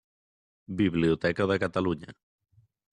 Biblioteca de Catalunya.